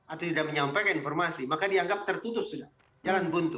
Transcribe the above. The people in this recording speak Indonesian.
atau tidak menyampaikan informasi maka dianggap tertutup sudah jalan buntu